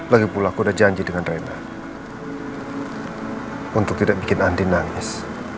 lagi pulang udah janji dengan reyna untuk tidak bikin andi nangis